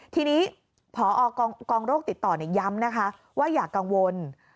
ทีนี้พอกองโรคติดต่อย้ำนะคะว่าอย่ากังวล